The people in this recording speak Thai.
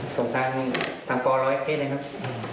ส่งทางทางป๑๐๐เคเลยครับ